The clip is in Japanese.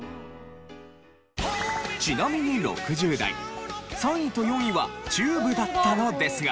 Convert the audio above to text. ちなみに６０代３位と４位はＴＵＢＥだったのですが。